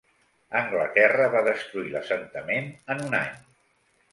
Anglaterra va destruir l'assentament en un any.